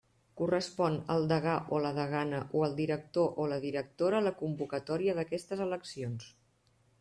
Correspon al degà o la degana o al director o la directora la convocatòria d'aquestes eleccions.